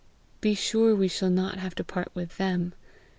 "Be sure we shall not have to part with THEM.